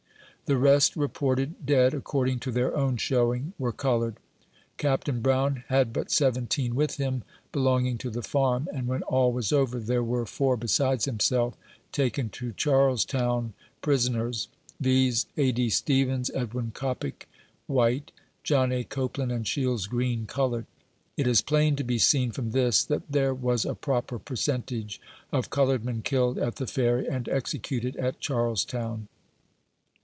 The rest reported dead, according to their own showing, were colored. Captain Brown had but seventeen with him, belonging to the Farm, and when all was over, there were four besides himself taken .to Charlestown, prisoners, viz : A. D. Stevens, Edwin Coppic, white; John A. Copeland and Shields Green, colored. It is plain to be seen from this, that there was a proper per centage of colored men killed at the Ferry, and executed at Charles town.